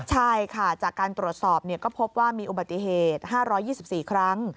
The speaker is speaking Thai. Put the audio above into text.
ใช่ค่ะจากการตรวจสอบก็พบว่ามีอุบัติเหตุ๕๒๔ครั้ง